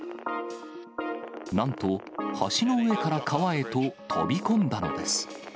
なんと、橋の上から川へと飛び込んだのです。